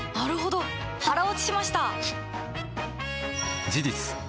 腹落ちしました！